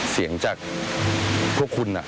เสียงจากพวกคุณ